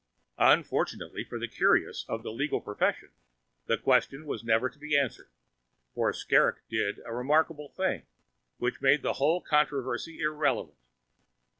Unfortunately for the curiosity of the legal profession, the question was never to be answered, for Skrrgck did a remarkable thing which made the whole controversy irrelevant.